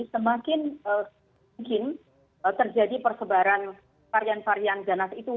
semakin mungkin terjadi persebaran varian varian ganasnya